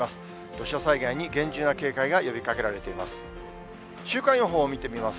土砂災害に厳重な警戒が呼びかけられています。